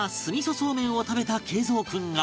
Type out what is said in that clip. そうめんを食べた敬蔵君が